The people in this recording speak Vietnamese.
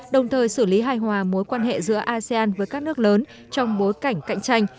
đồng thời xử lý hài hòa mối quan hệ giữa asean với các nước lớn trong bối cảnh cạnh tranh